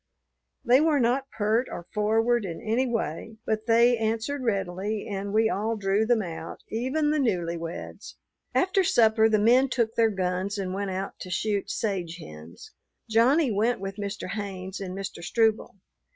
They were not pert or forward in any way, but they answered readily and we all drew them out, even the newly weds. After supper the men took their guns and went out to shoot sage hens. Johnny went with Mr. Haynes and Mr. Struble.